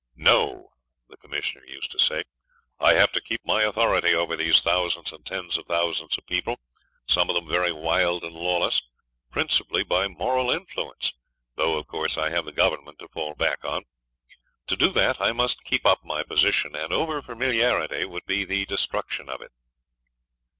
'No!' he used to say, 'I have to keep my authority over these thousands and tens of thousands of people, some of them very wild and lawless, principally by moral influence, though, of course, I have the Government to fall back upon. To do that I must keep up my position, and over familiarity would be the destruction of it.'